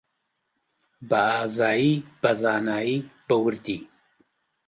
بەئازایی، بەزانایی، بەوردی